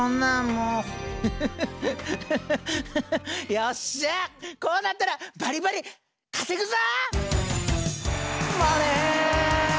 よっしゃこうなったらバリバリ稼ぐぞ！